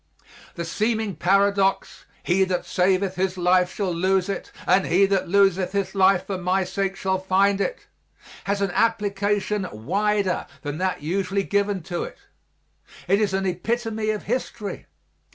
The seeming paradox: "He that saveth his life shall lose it and he that loseth his life for my sake shall find it," has an application wider than that usually given to it; it is an epitome of history.